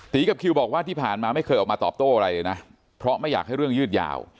กับคิวบอกว่าที่ผ่านมาไม่เคยออกมาตอบโต้อะไรเลยนะเพราะไม่อยากให้เรื่องยืดยาว